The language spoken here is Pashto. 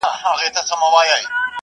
څېړنه د نړیوالو اصولو سره سمون خوري.